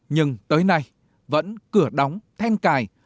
nhưng tới nay vẫn cửa đóng then cài